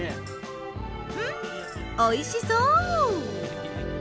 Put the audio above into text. うんおいしそう！